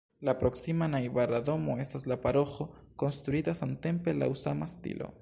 La proksima, najbara domo estas la paroĥo konstruita samtempe laŭ sama stilo.